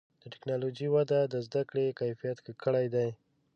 د ټکنالوجۍ وده د زدهکړې کیفیت ښه کړی دی.